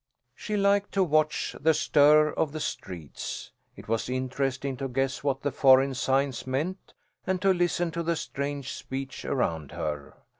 She liked to watch the stir of the streets. It was interesting to guess what the foreign signs meant, and to listen to the strange speech around her.